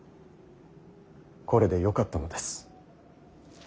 これでよかったのです。